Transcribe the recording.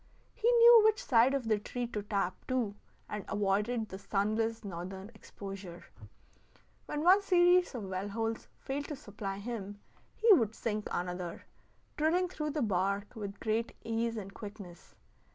He knew which side of the tree to tap, too, and avoided the sunless northern exposure. When one series of well holes failed to supply him, he would sink another, drilling through the bark with great ease and quickness.